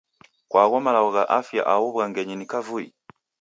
Kwa malagho gha afya aho wughangenyi ni kavui?